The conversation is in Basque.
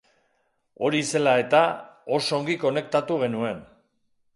Hori zela eta, oso ongi konektatu genuen.